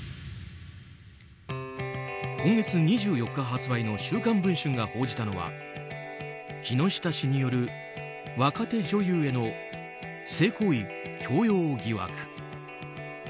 今月２４日発売の「週刊文春」が報じたのは木下氏による若手女優への性行為強要疑惑。